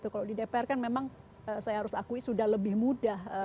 kalau di dpr kan memang saya harus akui sudah lebih mudah